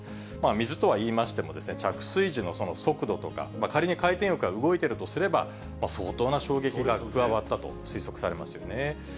水とはいいましても、着水時の速度とか、仮に回転翼が動いているとすれば、相当な衝撃が加わったと推測されますよね。